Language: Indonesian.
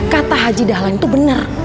kata haji dahlah ini tuh bener